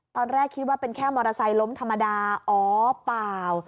ตอนแรกคิดว่าเป็นแค่มอเตอร์ไซค์ล้มธรรมดาอ๋อเปล่า